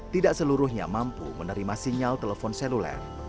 tidak seluruhnya mampu menerima sinyal telepon seluler